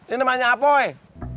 ini namanya apa eh